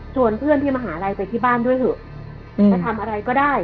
ชวนเพื่อนที่มหาวิทยาลัยไปที่บ้านด้วยเหอะไปทำอะไรก็ได้